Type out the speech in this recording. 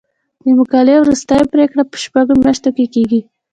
د مقالې وروستۍ پریکړه په شپږو میاشتو کې کیږي.